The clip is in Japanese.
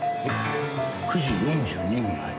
９時４２分。